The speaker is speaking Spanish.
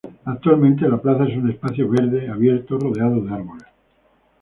Actualmente, la plaza es un espacio verde abierto rodeado de árboles.